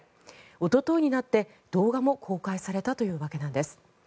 おとといになって動画も公開されたというわけなんです。